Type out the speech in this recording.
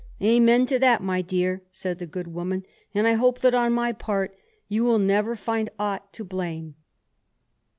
"Amen to that, my dear," said the good woman, "and I hope that on my part you will never find aught to blame."